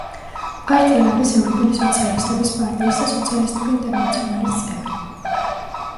პარტია არის ევროპელი სოციალისტების პარტიის და სოციალისტური ინტერნაციონალის წევრი.